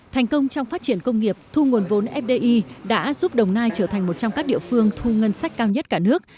thành công trong phát triển công nghiệp thu nguồn vốn fdi đã giúp đồng nai trở thành một trong các địa phương thu ngân sách cao nhất cả nước